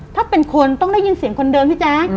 ถ้าเป็นคนต้องได้ยินเสียงคนเดิมพี่แจ๊ค